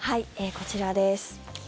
こちらです。